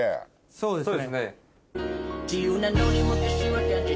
そうですね。